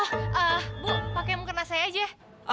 oh eh bu pake muka nasi aja